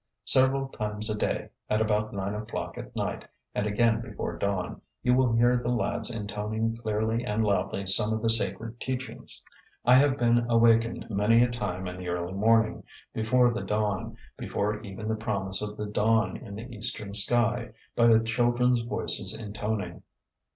Several times a day, at about nine o'clock at night, and again before dawn, you will hear the lads intoning clearly and loudly some of the sacred teachings. I have been awakened many a time in the early morning, before the dawn, before even the promise of the dawn in the eastern sky, by the children's voices intoning.